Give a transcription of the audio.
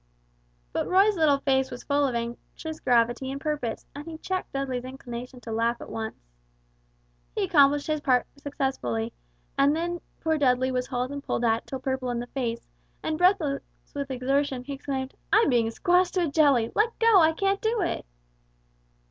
But Roy's little face was full of anxious gravity and purpose, and he checked Dudley's inclination to laugh at once. He accomplished his part successfully, and then poor Dudley was hauled and pulled at till purple in the face, and breathless with exertion, he exclaimed, "I'm being squashed to a jelly; let go, I can't do it!"